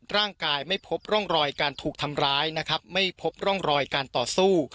ร่างกายไม่พบร่องรอยการถูกทำร้ายนะครับไม่พบร่องรอยการต่อสู้